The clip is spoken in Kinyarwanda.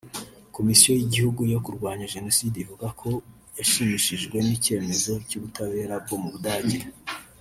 Komisiyo y’Igihugu yo kurwanya Jenoside ivuga ko yashimishijwe n’icyemezo cy’ubutabera bwo mu Budage